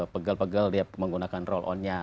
pegel pegel dia menggunakan roll onnya